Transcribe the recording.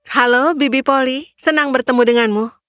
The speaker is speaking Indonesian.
halo bibi polly senang bertemu denganmu